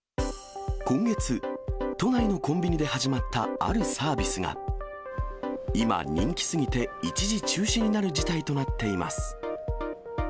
今月、都内のコンビニで始まったあるサービスが今、人気すぎて一時中止になる事態となっています。